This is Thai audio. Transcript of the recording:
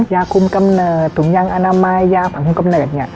ยาคุมกำเนิดถุงยางอนามัยยาผังคุมกำเนิด